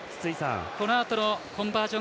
このあとのコンバージョン